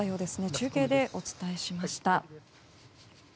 中継でお伝えしました。